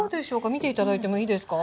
見て頂いてもいいですか？